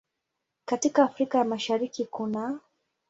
Katika Afrika ya Mashariki kunaː